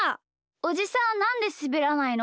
おじさんなんですべらないの？